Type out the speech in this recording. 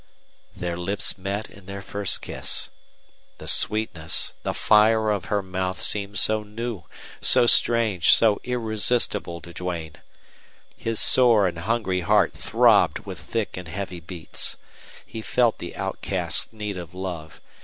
Their lips met in their first kiss. The sweetness, the fire of her mouth seemed so new, so strange, so irresistible to Duane. His sore and hungry heart throbbed with thick and heavy beats. He felt the outcast's need of love.